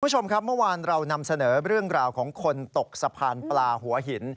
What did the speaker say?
คุณผู้ชมครับเมื่อวานเรานำเสนอเรื่องราวของคนตกสะพานปลาหัวหิน